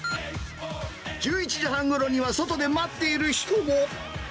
１１時半ごろには外で待っている人も。